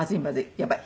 やばい。